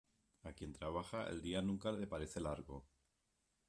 A quien trabaja, el día nunca le parece largo.